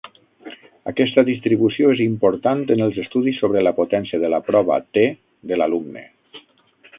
Aquesta distribució és important en els estudis sobre la potència de la prova "t" de l'alumne.